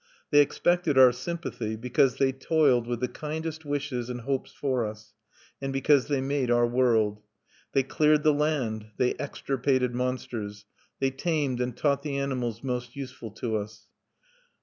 They expected our sympathy, because they toiled with the kindest wishes and hopes for us, and because they made our world. They cleared the land; they extirpated monsters; they tamed and taught the animals most useful to us.